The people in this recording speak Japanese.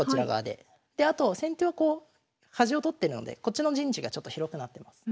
であと先手はこう端を取ってるのでこっちの陣地がちょっと広くなってます。